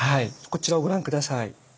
こちらをご覧下さい。